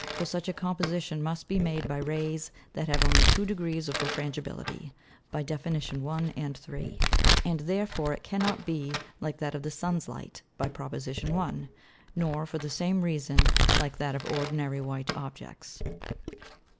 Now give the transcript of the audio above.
For such a Composition must be made by Rays that have only two Degrees of Refrangibility, by Def. 1 and 3. and therefore it cannot be like that of the Sun's Light. by Prop. 1. nor, for the same Reason, like that of ordinary white Objects.